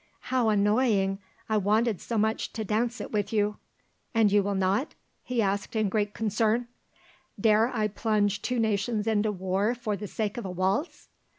"How annoying! I wanted so much to dance it with you." "And you will not?" he asked in great concern. "Dare I plunge two nations into war for the sake of a waltz?"